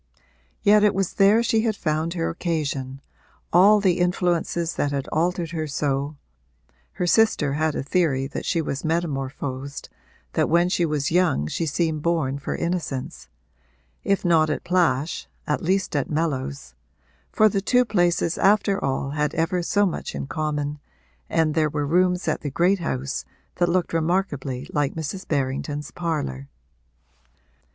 Yet it was there she had found her occasion, all the influences that had altered her so (her sister had a theory that she was metamorphosed, that when she was young she seemed born for innocence) if not at Plash at least at Mellows, for the two places after all had ever so much in common, and there were rooms at the great house that looked remarkably like Mrs. Berrington's parlour.